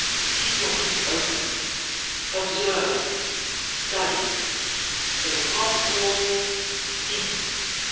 Keep your wits open! Observe! Study! But above all, Think!